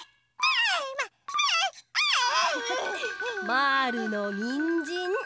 まぁるのにんじん。